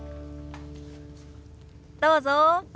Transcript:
どうぞ。